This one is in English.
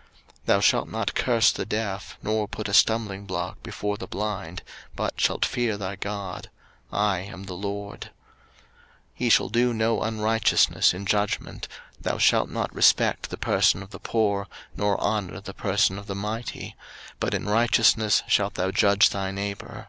03:019:014 Thou shalt not curse the deaf, nor put a stumblingblock before the blind, but shalt fear thy God: I am the LORD. 03:019:015 Ye shall do no unrighteousness in judgment: thou shalt not respect the person of the poor, nor honor the person of the mighty: but in righteousness shalt thou judge thy neighbour.